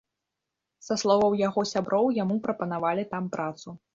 Са словаў яго сяброў, яму прапанавалі там працу.